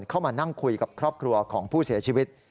เข้ามานั่งคุยกับครอบครัวของผู้เสียชีวิต